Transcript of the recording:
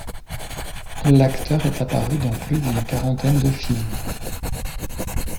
L'acteur est apparu dans plus d'une quarantaine de films.